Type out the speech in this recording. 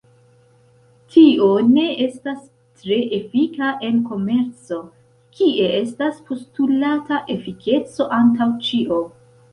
Tio ne estas tre efika en komerco, kie estas postulata efikeco antaŭ ĉio.